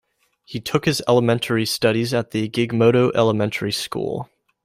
He took his elementary studies at the Gigmoto Elementary School.